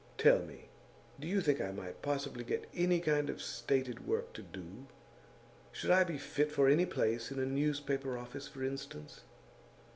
Tell me: do you think I might possibly get any kind of stated work to do? Should I be fit for any place in a newspaper office, for instance?